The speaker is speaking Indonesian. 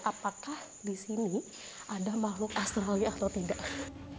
apakah disini ada makhluk astralnya atau tidak